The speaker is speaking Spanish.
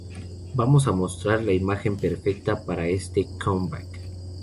Vamos a mostrar una imagen perfecta para este "comeback".